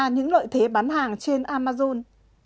những lợi thế bán hàng trên amazon